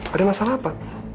ada masalah apa